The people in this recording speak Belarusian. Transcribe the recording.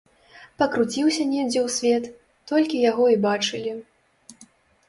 Пакруціўся недзе ў свет, толькі яго і бачылі.